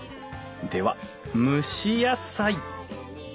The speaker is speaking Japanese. では蒸し野菜。